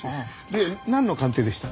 でなんの鑑定でした？